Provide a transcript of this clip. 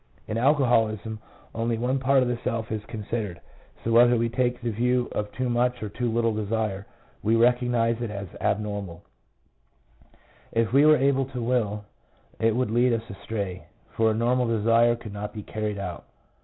In alcoholism only one part of the self is considered, so whether we take the view of too much or too little desire, we recognize it as abnormal; and if we were able to will, it would lead us astray, for a normal desire could not be carried out.